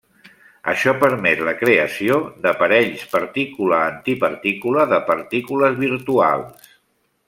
Això permet la creació de parells partícula-antipartícula de partícules virtuals.